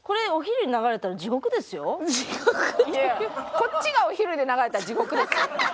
こっちがお昼に流れたら地獄ですよ。